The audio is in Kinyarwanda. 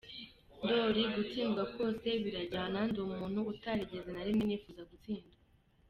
Ndoli: Gutsindwa kose biraryana, ndi umuntu utarigeze na rimwe nifuza gutsindwa.